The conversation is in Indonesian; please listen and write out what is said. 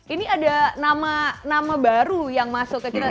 ini ada nama nama baru yang masuk ke kita